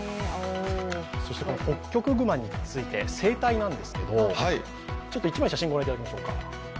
そしてホッキョクグマの生態なんですけど１枚写真をご覧いただきましょうか。